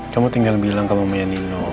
kamu tinggal bilang ke momenya nino